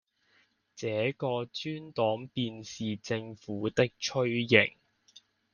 這個專案便是政府的雛形